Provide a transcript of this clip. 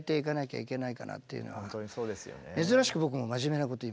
珍しく僕も真面目なこと言いますね。